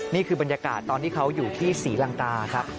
นี่คือบรรยากาศตอนที่เขาอยู่ที่ศรีลังกาครับ